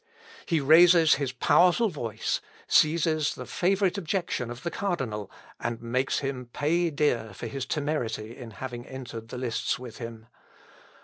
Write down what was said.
He raises his powerful voice, seizes the favourite objection of the cardinal, and makes him pay dear for his temerity in having entered the lists with him.